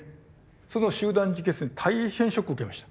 その集団自決に大変ショックを受けました。